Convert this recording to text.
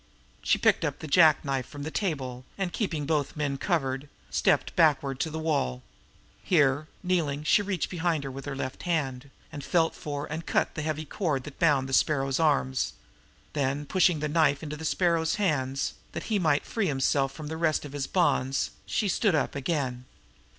She picked up the jack knife from the table, and keeping both men covered, stepped backward to the wall. Here, kneeling, she reached behind her with her left hand, and felt for, and cut the heavy cord that bound the Sparrow's arms; then, pushing the knife into the Sparrow's hands that he might free himself from the rest of his bonds, she stood up again.